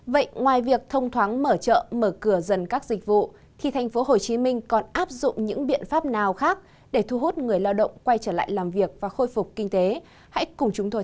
vậy ngoài việc thông thoáng mở chợ mở cửa dần các dịch vụ thì tp hcm còn áp dụng những biện pháp nào khác để thu hút người lao động quay trở lại làm việc và khôi phục kinh tế